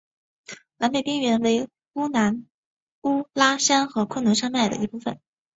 南北边缘为乌兰乌拉山和昆仑山脉的一部分。